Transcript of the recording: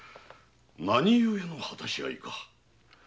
何故の果たし合いか？